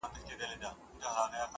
• چي مساپر دي له ارغوان کړم ,